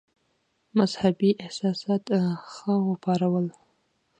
مدهبي احساسات ښه وپارول.